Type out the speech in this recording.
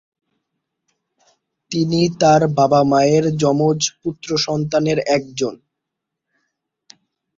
তিনি তার বাবা-মায়ের যমজ পুত্রসন্তানের একজন।